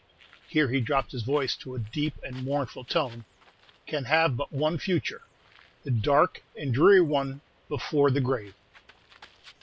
here he dropped his voice to a deep and mournful tone "can have but one future, the dark and dreary one before the grave!"